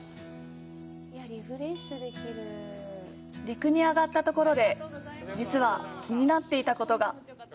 陸に上がったところで、実は気になっていたことが。